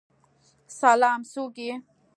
سلام، څوک یی؟